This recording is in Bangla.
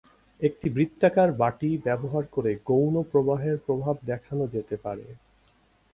একটি বৃত্তাকার বাটি ব্যবহার করে গৌণ প্রবাহের প্রভাব দেখানো যেতে পারে।